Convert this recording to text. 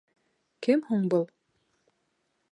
— Кем һуң был?